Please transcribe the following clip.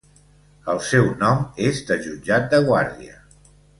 El seu nom és de jutjat de guàrdia.